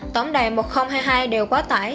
tổng đài một nghìn hai mươi hai đều quá tải